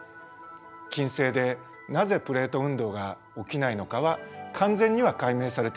金星でなぜプレート運動が起きないのかは完全には解明されていません。